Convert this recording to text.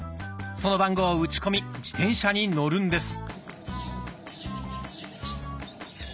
その番号を打ち込み自転車に乗るんです。